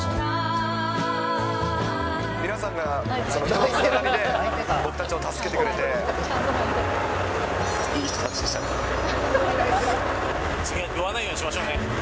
皆さんが人のつながりで僕たちを助けてくれて、いい人たちでした次は酔わないようにしましょうね。